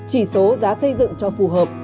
chỉ số giá xây dựng cho phù hợp